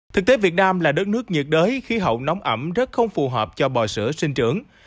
thực tế việt nam là đất nước nhiệt đới khí hậu nóng ẩm rất không phù hợp cho bò sữa sinh trưởng